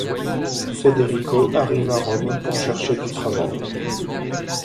Federico arrive à Rome pour chercher du travail.